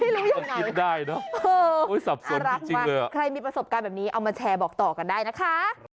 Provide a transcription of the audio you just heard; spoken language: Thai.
ไม่รู้อย่างไรหรอกเอออรักมากใครมีประสบการณ์แบบนี้เอามาแชร์บอกต่อกันได้นะคะ